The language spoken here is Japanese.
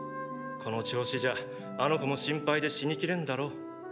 この調子じゃあの子も心配で死にきれんだろう。